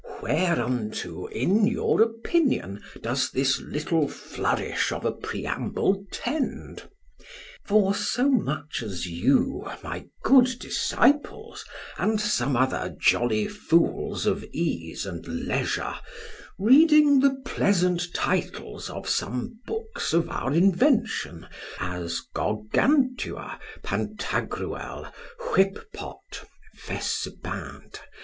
Whereunto (in your opinion) doth this little flourish of a preamble tend? For so much as you, my good disciples, and some other jolly fools of ease and leisure, reading the pleasant titles of some books of our invention, as Gargantua, Pantagruel, Whippot (Fessepinte.)